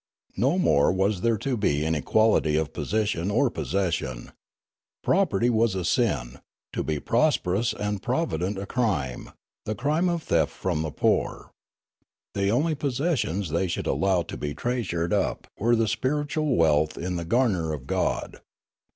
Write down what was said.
No more was there to be inequality of position or possession. Property was a siu, to be prosperous and provident a crime, the crime of theft from the poor. The only possessions they should allow to be treasured up were the spiritual wealth in the garner of God.